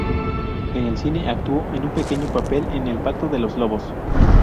En el cine, actuó en un pequeño papel en "El pacto de los lobos".